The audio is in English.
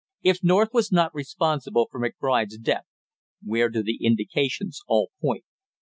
If North was not responsible for McBride's death, where do the indications all point?